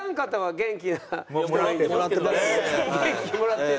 元気もらってる？